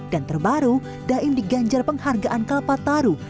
dan terbaru daim diganjar penghargaan kalpat taruh